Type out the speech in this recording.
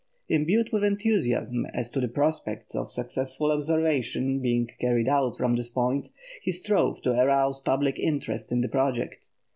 Imbued with enthusiasm as to the prospects of successful observation being carried out from this point, he strove to arouse public interest in the project.